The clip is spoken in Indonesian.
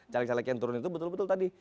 caleg caleg yang turun itu betul betul tadi